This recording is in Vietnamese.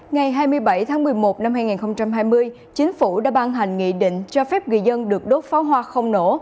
ngày hai mươi bảy tháng một mươi một năm hai nghìn hai mươi chính phủ đã ban hành nghị định cho phép người dân được đốt pháo hoa không nổ